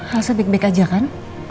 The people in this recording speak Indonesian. elsa back back aja kan